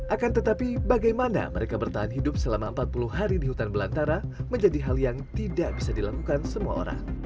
akan tetapi bagaimana mereka bertahan hidup selama empat puluh hari di hutan belantara menjadi hal yang tidak bisa dilakukan semua orang